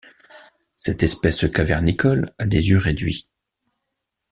Cette espèce cavernicole a des yeux réduits.